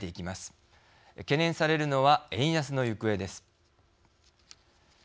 懸念されるのは円安の行方です。